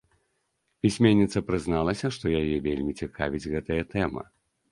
Пісьменніца прызналася, што яе вельмі цікавіць гэтая тэма.